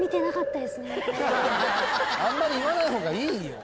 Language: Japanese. あんまり言わない方がいいよ。